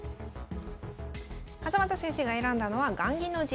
勝又先生が選んだのは雁木の陣形。